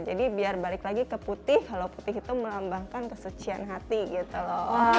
jadi biar balik lagi ke putih kalau putih itu melambangkan kesucian hati gitu loh